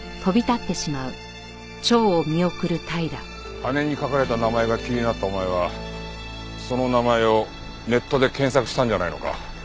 羽に書かれた名前が気になったお前はその名前をネットで検索したんじゃないのか？